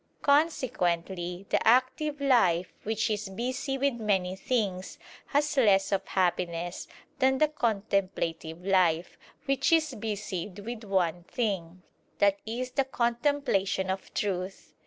Consequently the active life, which is busy with many things, has less of happiness than the contemplative life, which is busied with one thing, i.e. the contemplation of truth.